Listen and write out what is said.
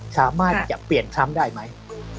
สามารถจะเปลี่ยนซ้ำได้ไหม